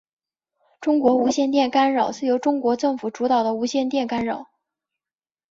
中国无线电干扰是由中国政府主导的无线电干扰。